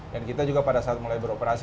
dan kita juga pada saat mulai beroperasi